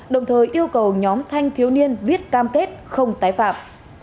đồng thời yêu cầu nhóm thanh thiếu niên viết cam kết không tái phạm